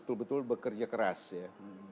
betul betul bekerja keras ya